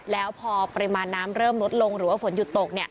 แล้วพอปริมาณน้ำเริ่มลดลงหรือว่าฝนหยุดตก